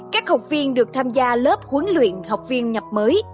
các học viên được tham gia lớp huấn luyện học viên nhập mới